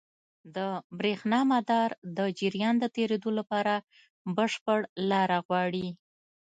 د برېښنا مدار د جریان د تېرېدو لپاره بشپړ لاره غواړي.